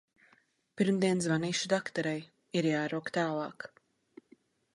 Pirmdien zvanīšu dakterei, ir jārok tālāk.